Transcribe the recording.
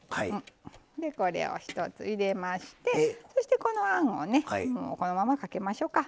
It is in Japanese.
これを一つ入れましてそしてこのあんをねこのままかけましょうか。